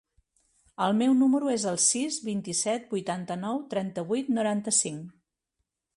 El meu número es el sis, vint-i-set, vuitanta-nou, trenta-vuit, noranta-cinc.